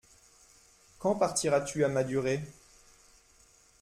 Quand partiras-tu à Madurai ?